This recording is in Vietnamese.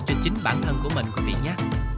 cho chính bản thân của mình quý vị nhé